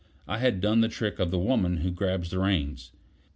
I had done the trick of the woman who grabs the reins.